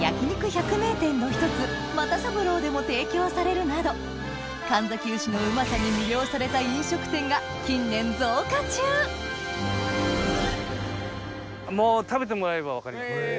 百名店の一つ又三郎でも提供されるなど門崎丑のうまさに魅了された飲食店が近年増加中もう。